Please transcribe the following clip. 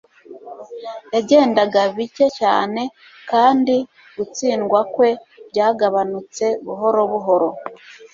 yagendaga bike cyane kandi gutsindwa kwe byagabanutse buhoro buhoro